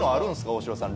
大城さん